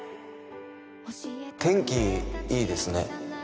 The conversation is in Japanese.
天気いいですね